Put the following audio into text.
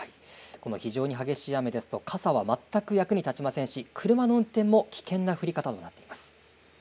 この非常に激しい雨ですと傘は全く役に立ちませんし車の運転も危険な降り方になっています。